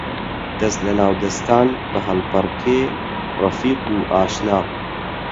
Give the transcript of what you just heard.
دەس لە ناو دەستان، بە هەڵپەڕکێ ڕەفیق و ئاشنا